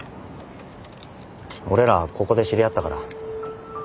俺らここで知り合ったから。